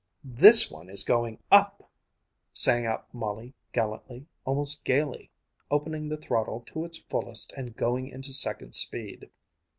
"This one is going up," sang out Molly gallantly, almost gaily, opening the throttle to its fullest and going into second speed.